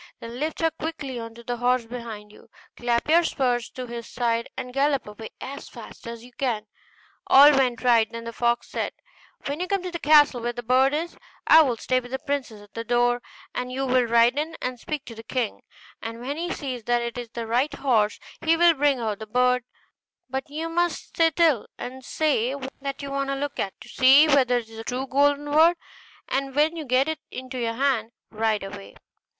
Then lift her quickly on to the horse behind you; clap your spurs to his side, and gallop away as fast as you can.' All went right: then the fox said, 'When you come to the castle where the bird is, I will stay with the princess at the door, and you will ride in and speak to the king; and when he sees that it is the right horse, he will bring out the bird; but you must sit still, and say that you want to look at it, to see whether it is the true golden bird; and when you get it into your hand, ride away.